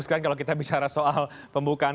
sekarang kalau kita bicara soal pembukaan